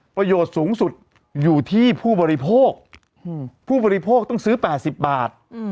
ประโยชน์สูงสุดอยู่ที่ผู้บริโภคผู้บริโภคต้องซื้อ๘๐บาท